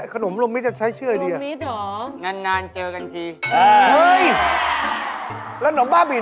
เออทำไมชื่อมันเปียกปูนเลย